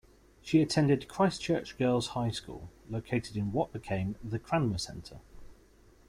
She attended Christchurch Girls' High School, located in what became the Cranmer Centre.